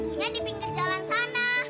sama ibunya di pinggir jalan sana